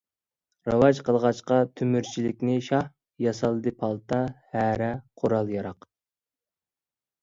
راۋاج قىلغاچقا تۆمۈرچىلىكنى شاھ، ياسالدى پالتا، ھەرە، قورال-ياراغ.